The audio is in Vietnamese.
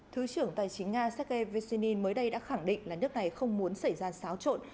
thứ trưởng tài chính nga sergei vyssinin mới đây đã khẳng định là nước này không muốn xảy ra xáo trộn